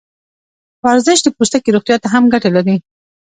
ورزش د پوستکي روغتیا ته هم ګټه لري.